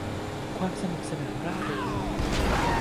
ความสนุกสนานร่าเริง